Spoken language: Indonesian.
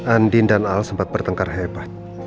andin dan al sempat bertengkar hebat